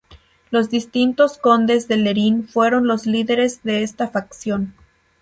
Los distintos condes de Lerín fueron los líderes de esta facción.